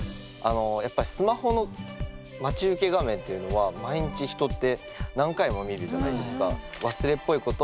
やっぱスマホの待ち受け画面っていうのは毎日人って何回も見るじゃないですか。